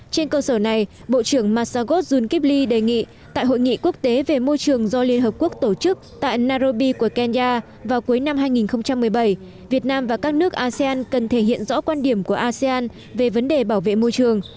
trên cơ sở này bộ trưởng masagozh jlkibli đề nghị tại hội nghị quốc tế về môi trường do liên hợp quốc tổ chức tại narobi của kenya vào cuối năm hai nghìn một mươi bảy việt nam và các nước asean cần thể hiện rõ quan điểm của asean về vấn đề bảo vệ môi trường